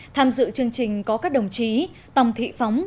tham dự chương trình có các đồng chí tòng thị phóng